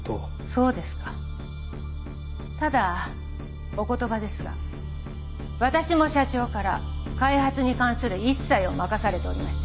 そうですかただお言葉ですが私も社長から開発に関する一切を任されておりまして。